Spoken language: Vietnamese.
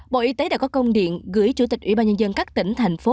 bộ y tế đã có công điện gửi chủ tịch ủy ban nhân dân các tỉnh thành phố